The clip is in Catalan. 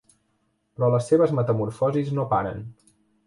Però les seves metamorfosis no paren.